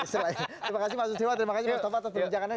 terima kasih mas susiwa terima kasih mas tov atas perbincangannya